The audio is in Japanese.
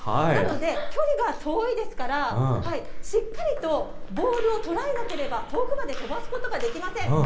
なので距離が遠いですから、しっかりとボールを捉えなければ、遠くまで飛ばすことができません。